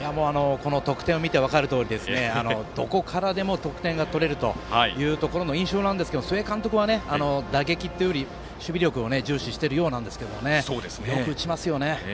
得点を見て分かるとおりどこからでも得点が取れるという印象なんですが、須江監督は打撃というより守備力を重視しているようですがよく打ちますよね。